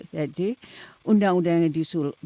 jadi undang undang yang disul